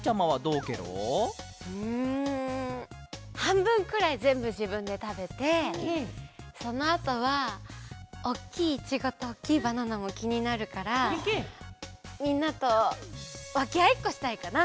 うんはんぶんくらいぜんぶじぶんでたべてそのあとはおっきいイチゴとおっきいバナナもきになるからみんなとわけあいっこしたいかな。